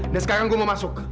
dan sekarang gue mau masuk